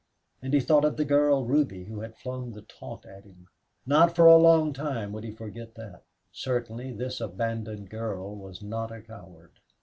And he thought of the girl Ruby who had flung the taunt at him. Not for a long time would he forget that. Certainly this abandoned girl was not a coward.